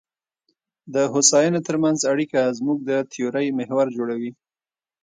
د هوساینې ترمنځ اړیکه زموږ د تیورۍ محور جوړوي.